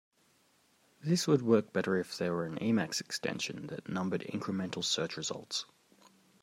This would work better if there were an Emacs extension that numbered incremental search results.